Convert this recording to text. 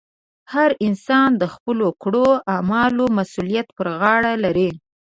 هر انسان د خپلو کړو اعمالو مسؤلیت پر غاړه لري.